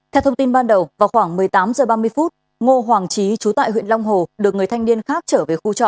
theo thông tin ban đầu vào khoảng một mươi tám h ba mươi ngô hoàng trí trú tại huyện long hồ được người thanh niên khác trở về khu trọ